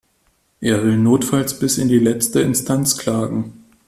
Er will notfalls bis in die letzte Instanz klagen.